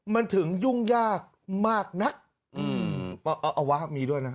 มันถึงยุ่งยากมากนักอืมอวะมีด้วยนะ